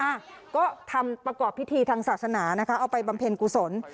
อ่ะก็ทำประกอบพิธีทางศาสนานะคะเอาไปบำเพ็ญกุศล